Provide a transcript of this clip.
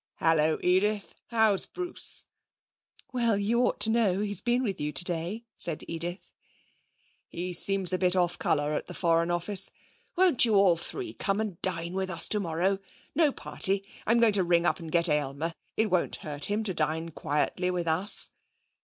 'Hallo, Edith! How's Bruce?' 'Why, you ought to know. He's been with you today,' said Edith. 'He seems a bit off colour at the Foreign Office. Won't you all three come and dine with us tomorrow? No party. I'm going to ring up and get Aylmer. It won't hurt him to dine quietly with us.'